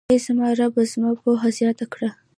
اې زما ربه، زما پوهه زياته کړه.